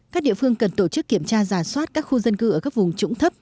các địa phương cần tổ chức kiểm tra giả soát các khu dân cư ở các vùng trũng thấp